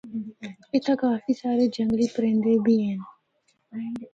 اِتھا کافی سارے جنگلی پرندے بھی ہن۔